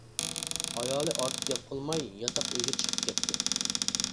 ئايالى ئارتۇق گەپ قىلماي، ياتاق ئۆيگە چىقىپ كەتتى.